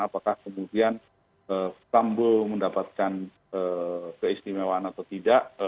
apakah kemudian sambo mendapatkan keistimewaan atau tidak